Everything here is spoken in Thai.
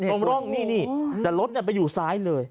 ตรงร่องนี้นี่แต่รถเนี่ยไปอยู่ซ้ายเลย